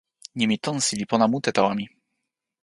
nimi "tonsi" li pona mute tawa mi.